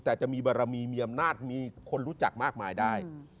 แต่จะมีบารมีมีอำนาจมีคนรู้จักมากมายได้